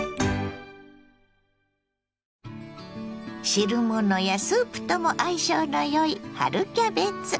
汁物やスープとも相性のよい春キャベツ。